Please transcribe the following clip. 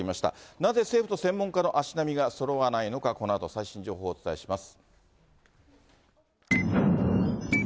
なぜ政府と専門家の足並みがそろわないのか、このあと最新情報をお伝えします。